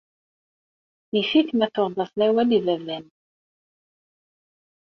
Yif-it ma tuɣeḍ-as awal i baba-m.